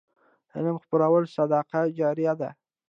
علم خپرول صدقه جاریه ده.